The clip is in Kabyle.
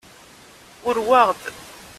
Urweɣ-d.